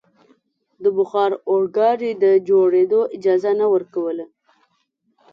د بخار اورګاډي د جوړېدو اجازه نه ورکوله.